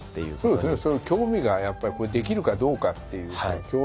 そうですね。